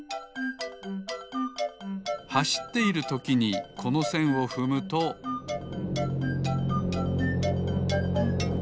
はしっているときにこのせんをふむとゴオオオン。